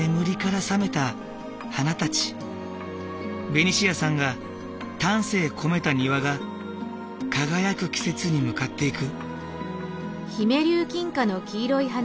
ベニシアさんが丹精込めた庭が輝く季節に向かっていく。